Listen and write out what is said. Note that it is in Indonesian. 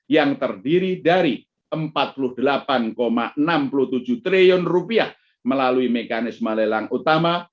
yang terdiri dari rp empat puluh delapan enam puluh tujuh triliun melalui mekanisme lelang utama